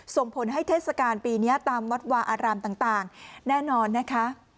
ส่งผลให้เทศกาลปีนี้ตามวัดวาอารามต่างแน่นอนนะคะ